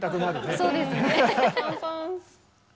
そうですね。